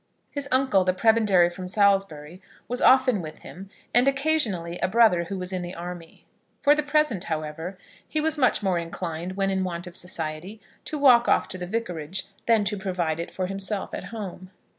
His uncle, the prebendary from Salisbury, was often with him, and occasionally a brother who was in the army. For the present, however, he was much more inclined, when in want of society, to walk off to the Vicarage than to provide it for himself at home.